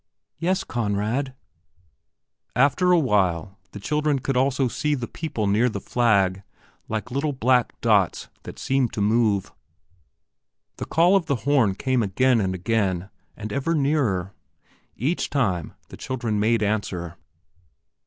"Yes, Conrad." After awhile the children could also see the people near the flag, like little black dots that seemed to move. The call of the horn came again and again, and ever nearer. Each time, the children made answer.